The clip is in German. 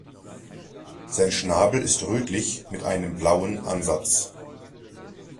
Sein Schnabel ist rötlich mit einem blauen Ansatz.